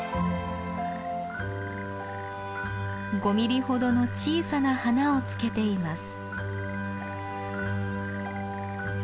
５ミリほどの小さな花をつけています。